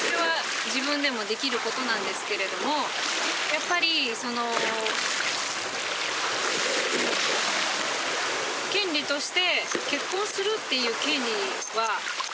やっぱりその権利として。